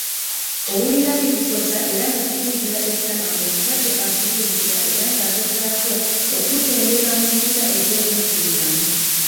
Owulira kikukosa era nga kikuyigula ettama ng'omuzadde akubuulirira era ng'agezaako okukutendeka mu mpisa ez'obuntubulamu